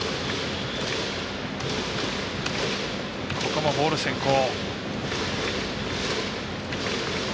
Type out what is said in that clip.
ここもボール先行。